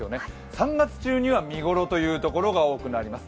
３月中には見頃というところが多くなります。